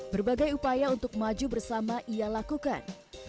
berbagai upaya untuk maju bersama ia lakukan